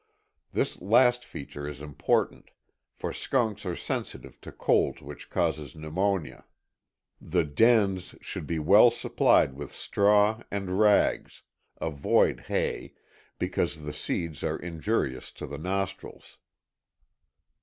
This last feature is important, for skunks are sensitive to cold which causes pneumonia. The dens should be well supplied with straw and rags, (avoid hay) because the seeds are injurious to the nostrils.